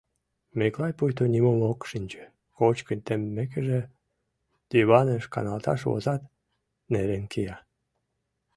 Миклай пуйто нимом ок шинче, кочкын теммекыже, диваныш каналташ возат, нерен кия.